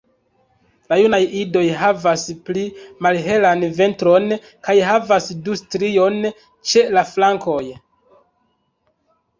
La junaj idoj havas pli malhelan ventron kaj havas du striojn ĉe la flankoj.